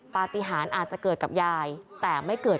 ปฏิหารอาจจะเกิดกับยายแต่ไม่เกิด